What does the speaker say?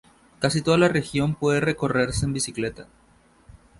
Casi toda la región puede recorrerse en bicicleta.